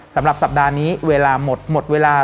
สำหรับสัปดาห์นี้เวลาหมดหมดเวลา